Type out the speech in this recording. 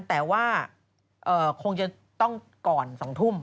แต่ว่าคงจะต้องก่อน๒ทุ่ม